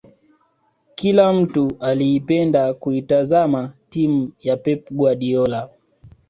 Kila mtu aliipenda kuitazama timu ya pep guardiola